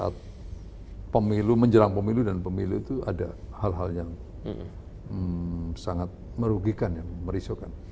saat pemilu menjelang pemilu dan pemilu itu ada hal hal yang sangat merugikan yang merisaukan